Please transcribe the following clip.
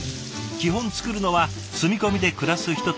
基本作るのは住み込みで暮らす人たちの分。